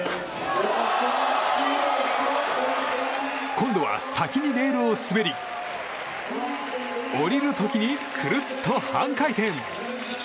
今度は先にレールを滑り降りる時に、くるっと半回転。